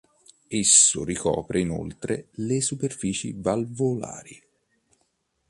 Esso ricopre inoltre le superfici valvolari..